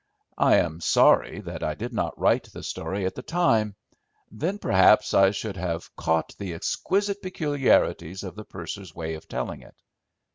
I am sorry that I did not write the story at the time; then perhaps I should have caught the exquisite peculiarities of the purser's way of telling it.